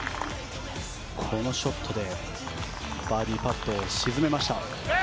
このショットでバーディーパットを沈めました。